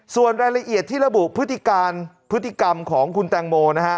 ส่วนรายละเอียดที่ระบุพฤติการพฤติกรรมของคุณแตงโมนะฮะ